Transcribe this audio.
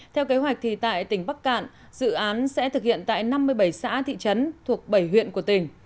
theo kế hoạch thì tại tỉnh bắc cạn dự án sẽ thực hiện tại năm mươi bảy xã thị trấn thuộc bảy huyện của tỉnh